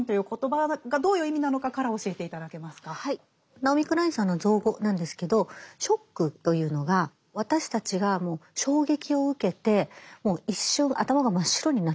ナオミ・クラインさんの造語なんですけど「ショック」というのが私たちがもう衝撃を受けてもう一瞬頭が真っ白になってしまう。